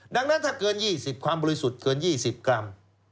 ดังนั้นถ้าเกิน๒๐ความบริสุทธิ์เกิน๒๐กรัม